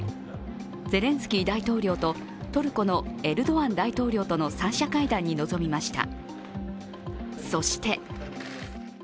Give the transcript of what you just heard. ゼレンスキー大統領とトルコのエルドアン大統領との３者会談に臨みました。